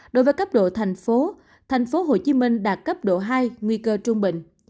đối với cấp độ thành phố tp hcm đạt cấp độ hai nguy cơ trung bình